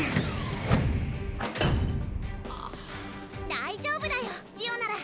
大丈夫だよジオなら。